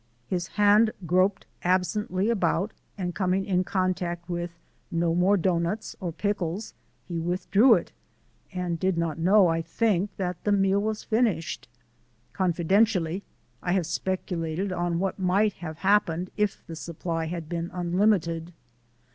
His hand groped absently about, and coming in contact with no more doughnuts or pickles he withdrew it and did not know, I think, that the meal was finished. (Confidentially, I have speculated on what might have happened if the supply had been unlimited!)